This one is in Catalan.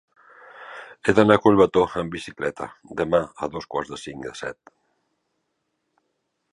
He d'anar a Collbató amb bicicleta demà a dos quarts i cinc de set.